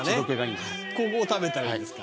ここを食べたらいいんですか。